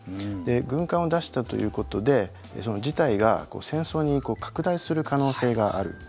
軍艦を出したということで事態が戦争に拡大する可能性がある。